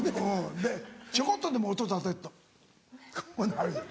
でちょこっとでも音立てるとこうなる。